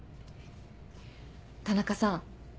田中さん